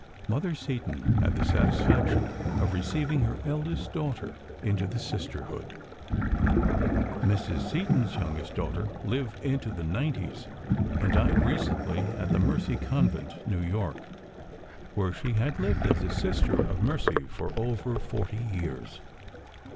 Mother Seton had the satisfaction of receiving her eldest daughter into the Sisterhood. Mrs. Seton's youngest daughter lived into the nineties and died recently in the Mercy Convent, New York, where she had lived as a Sister of Mercy for over forty years.